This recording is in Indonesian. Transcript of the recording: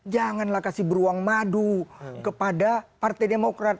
janganlah kasih beruang madu kepada partai demokrat